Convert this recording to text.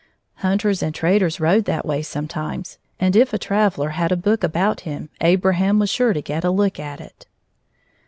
Hunters and traders rode that way sometimes, and if a traveler had a book about him, Abraham was sure to get a look at it.